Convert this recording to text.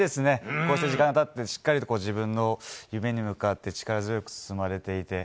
こうして時間が経ってもしっかりと自分の夢に向かって力強く進まれていて。